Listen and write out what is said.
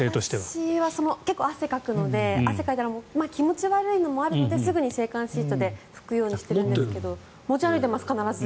私は結構汗をかくので汗をかいたら気持ち悪いのもあるのですぐに制汗シートで拭くようにしてるんですが持ち歩いています必ず。